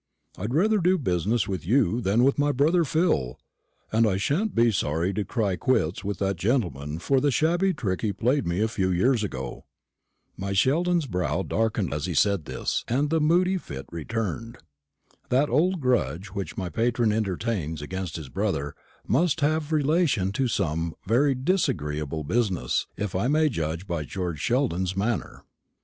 I'd rather do business with you than with my brother Phil; and I shan't be sorry to cry quits with that gentleman for the shabby trick he played me a few years ago." My Sheldon's brow darkened as he said this, and the moody fit returned. That old grudge which my patron entertains against his brother must have relation to some very disagreeable business, if I may judge by George Sheldon's manner.